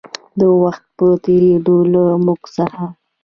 د وخـت پـه تېـرېدو لـه مـوږ څـخـه